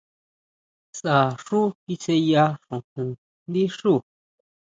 Sʼá xu kisʼeya xojón ndí xuú.